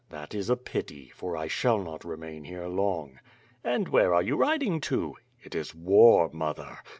"That is a pity, for I shall not remain here long." "And where are you riding to?" "It is war mother!